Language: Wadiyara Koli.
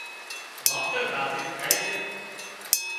ماوتر راضي ٿائي سي